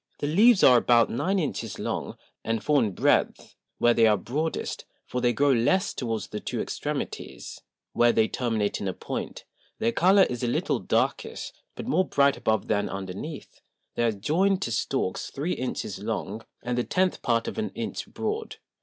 The Leaves are about nine Inches long, and four in breadth, where they are broadest; for they grow less towards the two Extremities, where they terminate in a point: their Colour is a little darkish, but more bright above than underneath; they are joined to Stalks three Inches long, and the tenth part of an Inch broad.